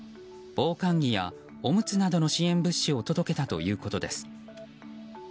防寒着やおむつなどの支援物資を届けたということです。